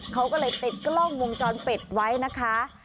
เขาก็เลยติดกล้องวงจรปิดไว้นะคะ